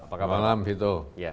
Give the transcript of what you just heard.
selamat malam vito